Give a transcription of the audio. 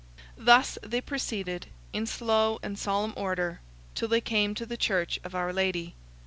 Thus, they proceeded, in slow and solemn order, till they came to the church of our Lady.